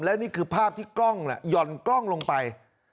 และนี่คือภาพที่กล้องหย่อนกล้องลงไป